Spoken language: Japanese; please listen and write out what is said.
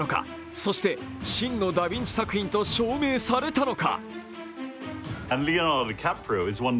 そして、真のダ・ヴィンチ作品と証明されたのか？